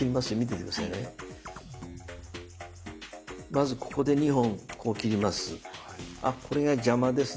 まずここで２本こう切ります。